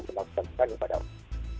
memaksakan kepada umroh